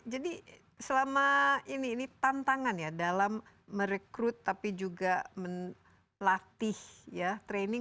jadi selama ini ini tantangan ya dalam merekrut tapi juga melatih training